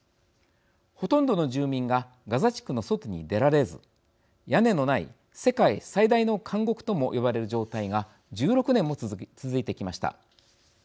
ほとんどの住民がガザ地区の外に出られず屋根のない世界最大の監獄とも呼ばれる状態が１６年も続いてきました。